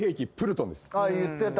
言ってた。